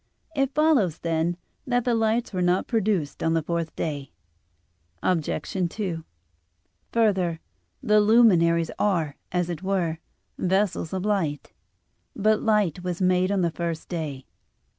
It follows, then, that the lights were not produced on the fourth day. Obj. 2: Further, the luminaries are, as it were, vessels of light. But light was made on the first day.